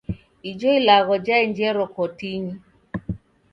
Ijo ilagho jaenjero kotinyi.